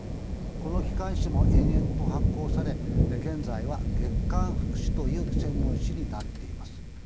この機関誌も延々と発行され現在は「月刊福祉」という専門誌になっています。